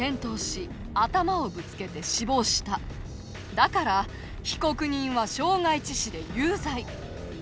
「だから被告人は傷害致死で有罪」。